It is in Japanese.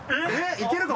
いけるの？